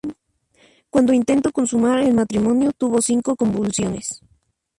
Cuando intentó consumar el matrimonio, tuvo cinco convulsiones.